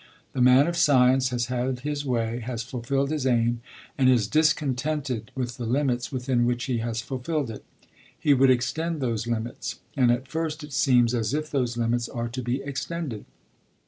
The man of science has had his way, has fulfilled his aim, and is discontented with the limits within which he has fulfilled it. He would extend those limits; and at first it seems as if those limits are to be extended.